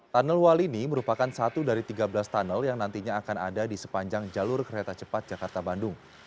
tunnel walini merupakan satu dari tiga belas tunnel yang nantinya akan ada di sepanjang jalur kereta cepat jakarta bandung